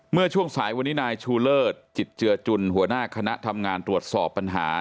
เมื่อช่วงสายวันนี้นายชูเลิศจิตเจือจุนหัวหน้าคณะทำงานตรวจสอบปัญหา